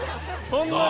そんなに？